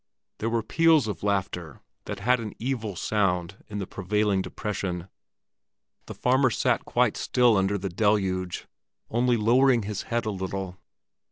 There were peals of laughter, that had an evil sound in the prevailing depression. The farmer sat quite still under the deluge, only lowering his head a little.